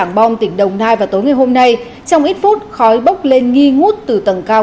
trảng bom tỉnh đồng nai vào tối ngày hôm nay trong ít phút khói bốc lên nghi ngút từ tầng cao